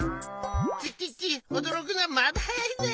チッチッチッおどろくのはまだはやいぜ。